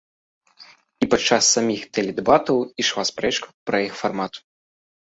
І падчас саміх тэледэбатаў ішла спрэчка пра іх фармат.